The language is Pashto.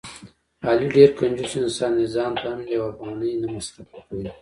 علي ډېر کنجوس انسان دی.ځانته هم یوه افغانۍ نه مصرف کوي.